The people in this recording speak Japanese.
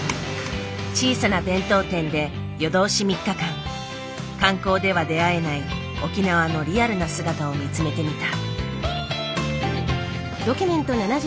小さな弁当店で夜通し３日間観光では出会えない沖縄のリアルな姿を見つめてみた。